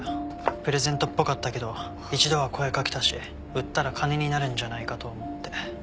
プレゼントっぽかったけど一度は声かけたし売ったら金になるんじゃないかと思って。